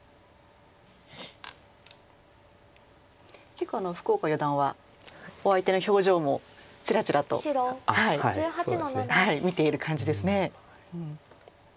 結構福岡四段はお相手の表情もちらちらと見ている感じですね。